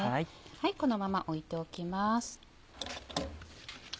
このまま置いておきます。